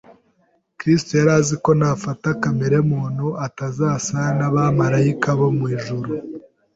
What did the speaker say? Kristo yari azi ko nafata kamere muntu atazasa n’abamarayika bo mu ijuru.